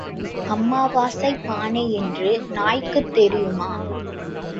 அமாவாசைப் பானை என்று நாய்க்குத் தெரியுமா?